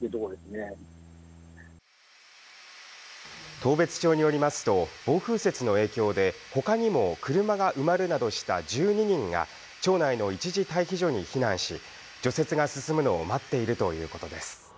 当別町によりますと、暴風雪の影響で他にも車が埋まるなどした１２人が町内の一時退避所に避難し、除雪が進むのを待っているということです。